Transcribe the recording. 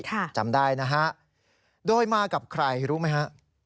จำได้นะฮะโดยมากับใครรู้ไหมฮะ